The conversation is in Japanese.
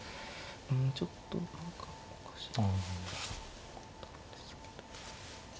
うんちょっと何かおかしい。